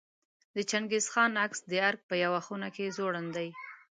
د چنګیز خان عکس د ارګ په یوه خونه کې ځوړند دی.